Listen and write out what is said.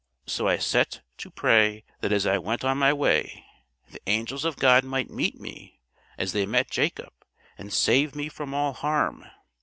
So I set to to pray that as I went on my way the angels of God might meet me, as they met Jacob, and save me from all harm.